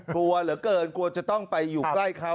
กลัวเหลือเกินกลัวจะต้องไปอยู่ใกล้เขา